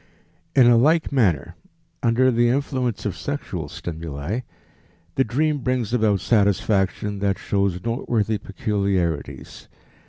In a like manner, under the influence of sexual stimuli, the dream brings about satisfaction that shows noteworthy peculiarities.